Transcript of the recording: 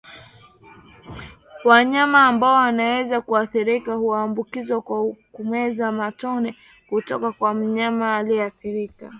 Wanyama ambao wanaweza kuathiriwa huambukizwa kwa kumeza matone kutoka kwa mnyama aliyeathirika